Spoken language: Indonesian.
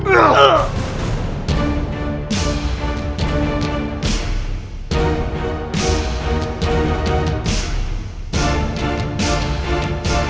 enggak enggak enggak